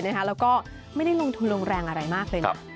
แล้วก็ไม่ได้ลงทุนลงแรงอะไรมากเลยนะ